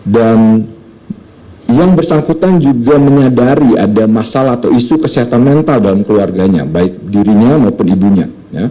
dan yang bersangkutan juga menyadari ada masalah atau isu kesehatan mental dalam keluarganya baik dirinya maupun ibunya